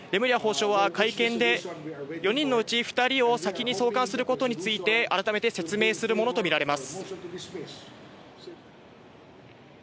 レムリヤ法相は会見で、４人のうち２人を先に送還することについて改めて説明するものとみられます。